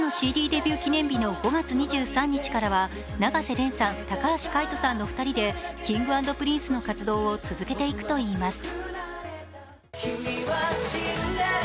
デビュー記念日の５月２３日からは、永瀬廉さん、高橋海人さんの２人でＫｉｎｇ＆Ｐｒｉｎｃｅの活動を続けていくといいます。